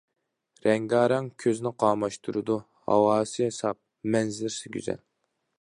رەڭگارەڭ، كۆزنى قاماشتۇرىدۇ، ھاۋاسى ساپ، مەنزىرىسى گۈزەل.